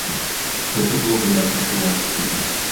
Гэта было выдатна чуваць.